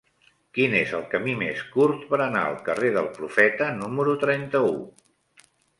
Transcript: Quin és el camí més curt per anar al carrer del Profeta número trenta-u?